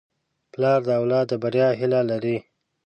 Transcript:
پلار د اولاد د بریا هیله لري.